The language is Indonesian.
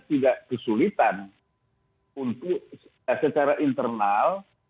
tidak kesulitan untuk secara internal